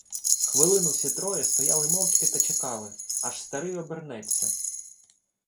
Хвилину всі троє стояли мовчки та чекали, аж старий обернеться.